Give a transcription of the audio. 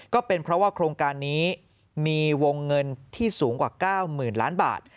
ก็เป็นเพราะว่าโครงการนี้มีวงเงินที่สูงกว่า๙๐๐๐ล้านบาท